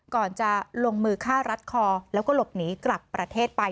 ก่อนจะลงมือฆ่ารัดคอแล้วก็หลบหนีกลับประเทศไป